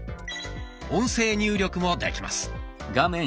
音声入力もできます。